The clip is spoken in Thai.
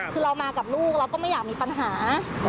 คือเรามากับลูกเราก็ไม่อยากมีปัญหา